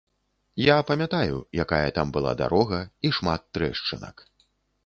Я памятаю, якая там была дарога, і шмат трэшчынак.